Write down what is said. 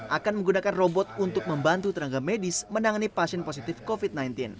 akan menggunakan robot untuk membantu tenaga medis menangani pasien positif covid sembilan belas